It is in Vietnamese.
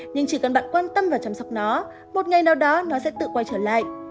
nhưng chỉ cần bạn quan tâm và chăm sóc nó một ngày nào đó nó sẽ tự quay trở lại